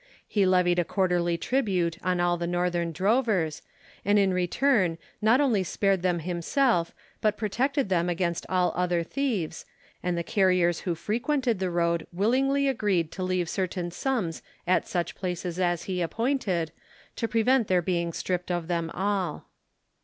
He levied a quarterly tribute on all the northern drovers, and in return not only spared them himself, but protected them against all other thieves, and the carriers who frequented the road willingly agreed to leave certain sums at such places as he appointed, to prevent their being stripped of them all.